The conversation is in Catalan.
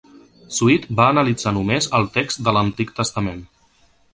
Swete va analitzar només el text de l'Antic Testament.